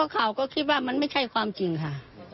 ข่าวก็คิดว่ามันไม่ใช่ความจริงค่ะ